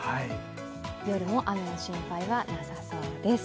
夜も雨の心配はなさそうです。